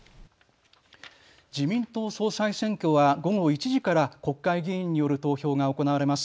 自民党総裁選挙は午後１時から国会議員による投票が行われます。